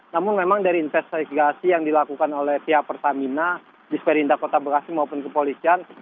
namun memang dari investigasi yang dilakukan oleh pihak pertamina disperinda kota bekasi maupun kepolisian